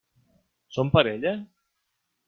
Són parella?